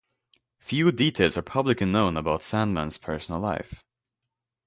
Few details are publicly known about Sandman's personal life.